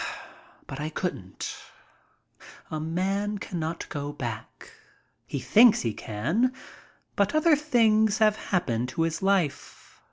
But I couldn't. A man cannot go back. He thinks he can, but other things have happened to his life.